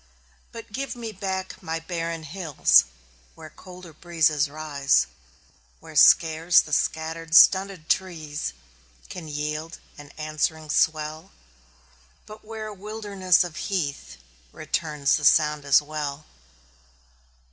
But give me back my barren hills Where colder breezes rise; Where scarce the scattered, stunted trees Can yield an answering swell, But where a wilderness of heath Returns the sound as well.